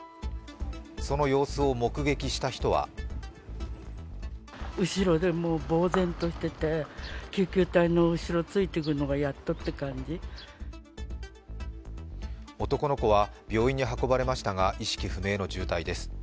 その様子を目撃した人は男の子は病院に運ばれましたが意識不明の重体です。